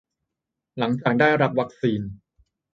หลังจากได้รับวัคซีน